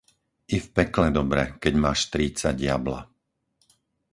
I v pekle dobre, keď máš strýca diabla.